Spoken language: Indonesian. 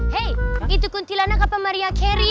hei itu kuntilanak apa maria carey